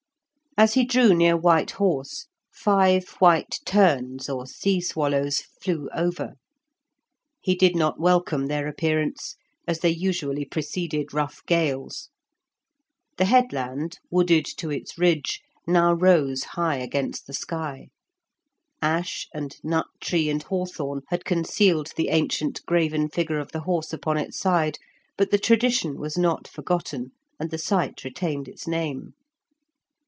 As he drew near White Horse, five white terns, or sea swallows, flew over; he did not welcome their appearance, as they usually preceded rough gales. The headland, wooded to its ridge, now rose high against the sky; ash and nut tree and hawthorn had concealed the ancient graven figure of the horse upon its side, but the tradition was not forgotten, and the site retained its name.